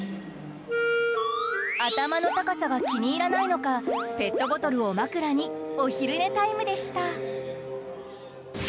頭の高さが気に入らないのかペットボトルを枕にお昼寝タイムでした。